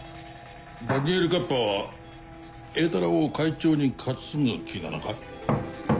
ダニエル・カッパーは榮太郎を会長に担ぐ気なのか？